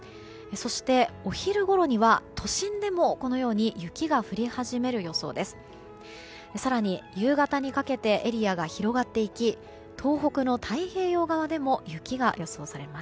そして、お昼ごろには都心でも雪が降り始める予想です。